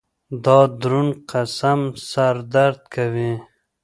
دا درون قسم سر درد وي